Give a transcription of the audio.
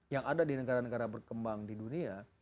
yang ada di negara negara berkembang di dunia